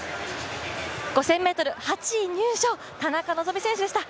５０００ｍ８位入賞、田中希実選手でした。